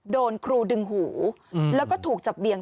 โดนครูดึงหูแล้วก็ถูกจับเบียง